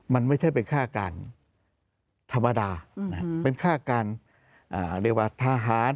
มันไม่ใช่เป็นค่าการธรรมดาเป็นค่าการเรียกว่าทหาร